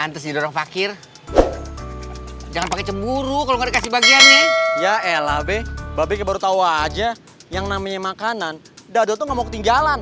tunggu aja yang namanya makanan dadot tuh gak mau ketinggalan